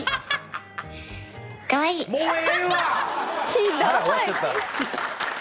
ひどい！